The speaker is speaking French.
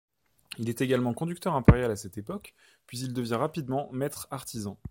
Il est également conducteur impérial à cette époque, puis il devient rapidement maître artisan.